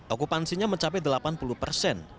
okupansinya mencapai delapan puluh persen